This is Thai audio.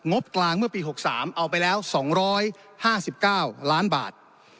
บกลางเมื่อปี๖๓เอาไปแล้ว๒๕๙ล้านบาท